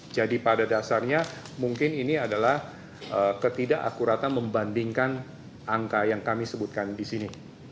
jadi pada dasarnya mungkin ini adalah ketidakakuratan membandingkan angka yang kami sebutkan di sini